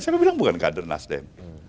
siapa bilang bukan kader nasdem